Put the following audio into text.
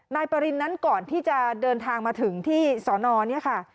นายปรินนั้นก่อนที่จะเดินทางมาถึงที่สอนอเนี่ยค่ะ